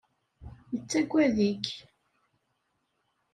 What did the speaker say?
Yettagad-ik.